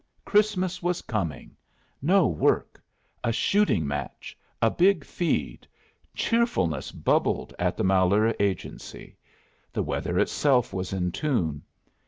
Christmas was coming! No work! A shooting match! A big feed! Cheerfulness bubbled at the Malheur Agency. The weather itself was in tune.